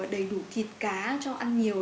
đầy đủ thịt cá cho ăn nhiều